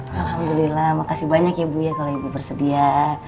alhamdulillah makasih banyak ya bu ya kalau ibu bersedia